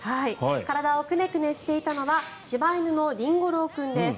体をくねくねしていたのは柴犬のりんご郎君です。